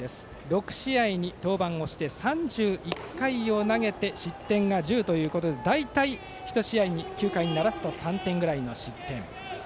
６試合に登板をして３１回を投げて失点が１０ということで大体１試合９回にならすと３点ぐらいの失点。